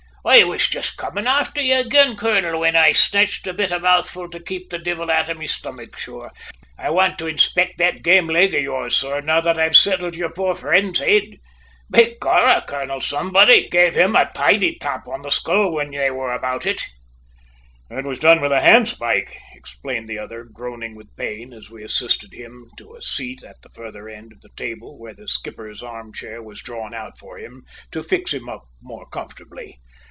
"I was jist comin' after ye ag'in, colonel, whin I had snatched a bit mouthful to kape the divvil out of me stomach, sure. I want to inspict that game leg o' yours, sor, now that I've sittled your poor f'ind's h'id. Begorrah, colonel, somebody gave him a tidy rap on the skull whin they were about it!" "It was done with a hand spike," explained the other, groaning with pain as we assisted him to a seat at the further end of the table, where the skipper's armchair was drawn out for him to fix him up more comfortably.